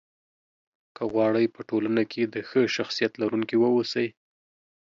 که غواړئ! په ټولنه کې د ښه شخصيت لرونکي واوسی